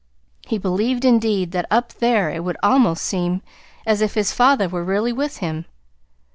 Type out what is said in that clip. He believed, indeed, that up there it would almost seem as if his father were really with him.